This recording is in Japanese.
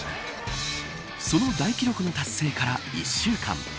その大記録の達成から１週間。